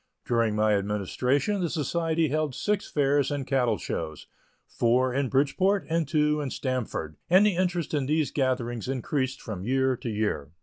During my administration, the society held six fairs and cattle shows, four in Bridgeport and two in Stamford, and the interest in these gatherings increased from year to year.